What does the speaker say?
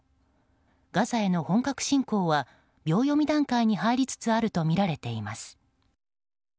ガザへの本格侵攻は秒読み段階に入りつつあるとみられています。